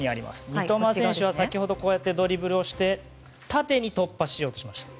三笘選手は先ほどこうやってドリブルをして縦に突破しようとしました。